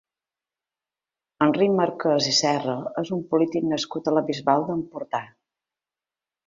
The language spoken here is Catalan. Enric Marquès i Serra és un polític nascut a la Bisbal d'Empordà.